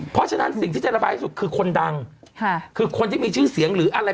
เพราะฉะนั้นสิ่งที่จะระบายที่สุดคือคนดังค่ะคือคนที่มีชื่อเสียงหรืออะไร